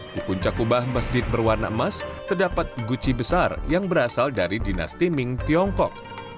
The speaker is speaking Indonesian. di puncak kubah masjid berwarna emas terdapat guci besar yang berasal dari dinasti ming tiongkok